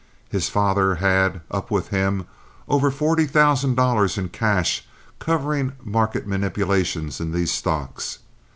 His father had "up with him" over forty thousand dollars in cash covering market manipulations in these stocks.